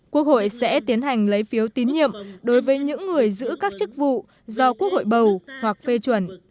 quốc hội sẽ tiến hành lấy phiếu tín nhiệm đối với những người giữ các chức vụ do quốc hội bầu hoặc phê chuẩn